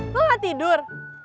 lo gak tidur